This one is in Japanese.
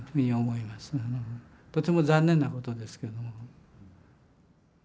とても残念なことですけども。